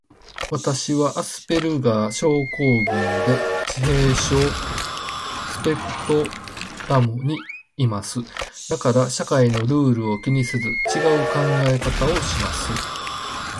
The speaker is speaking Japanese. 私はアスペルガー症候群で、自閉症スペクトラムにいます。だから社会のルールを気にせず、ちがう考え方をします。